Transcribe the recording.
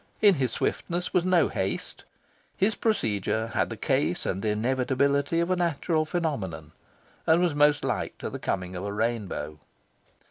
In his swiftness was no haste. His procedure had the ease and inevitability of a natural phenomenon, and was most like to the coming of a rainbow.